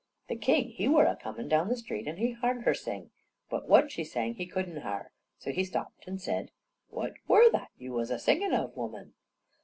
The king, he were a comin' down the street and he hard her sing, but what she sang he couldn't hare, so he stopped and said: "What were that you was a singin of, woman?"